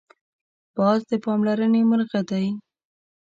باز د پاملرنې مرغه دی